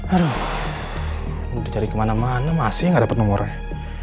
udah dicari kemana mana masih gak dapet nomornya